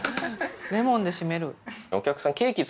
レモンで締める。